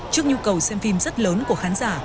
trước nhu cầu xem phim rất lớn của khán giả